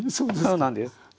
そうなんです。